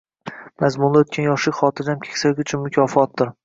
Mazmunli o’tgan yoshlik xotirjam keksalik uchun mukofotdir.